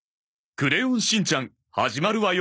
『クレヨンしんちゃん』始まるわよ！